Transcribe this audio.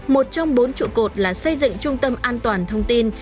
một trong bốn trụ cột là xây dựng trung tâm an toàn thông tin